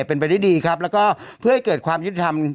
เป็นไปได้ดีครับแล้วก็เพื่อให้เกิดความยุติธรรม